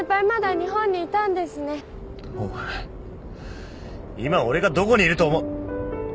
今俺がどこにいると思。